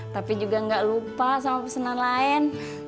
tapi juga gak lupa sama pesanan lain